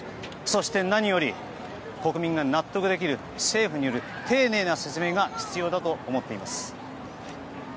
そして、何より国民が納得できる政府による丁寧な説明が必要だと思っております。